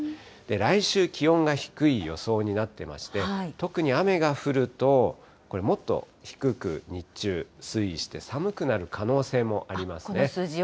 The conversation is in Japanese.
来週、気温が低い予想になってまして、特に雨が降ると、これ、もっと低く日中推移して、寒くなる可能性もありますね。